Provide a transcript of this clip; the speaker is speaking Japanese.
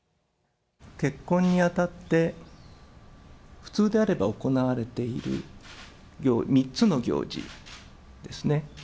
結婚にあたって、普通であれば行われている３つの行事ですね。